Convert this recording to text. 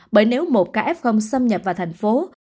bởi nếu một kf xâm nhập vào thành phố